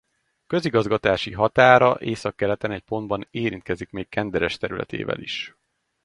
Közigazgatási határa északkeleten egy pontban érintkezik még Kenderes területével is.